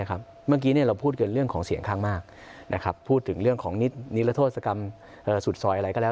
ผมเลยต้องออกมา